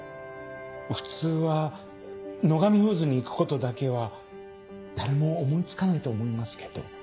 普通は野上フーズに行くことだけは誰も思い付かないと思いますけど。